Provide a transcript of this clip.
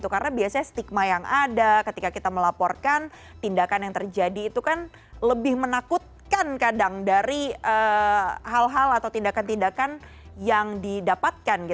karena biasanya stigma yang ada ketika kita melaporkan tindakan yang terjadi itu kan lebih menakutkan kadang dari hal hal atau tindakan tindakan yang didapatkan